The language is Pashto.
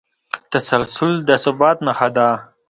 تسلسل د ثبات نښه ده.